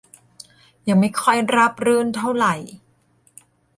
ยังไม่ค่อยราบรื่นเท่าไหร่